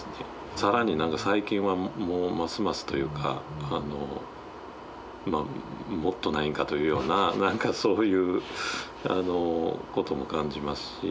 さらに何か最近はますますというかもっとないんかというような何かそういうことも感じますし。